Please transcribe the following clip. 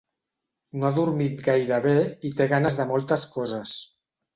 No ha dormit gaire bé i té ganes de moltes coses.